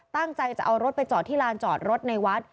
ตั้งใจจะเอารถไปจอดที่ลานจอดรถในวัด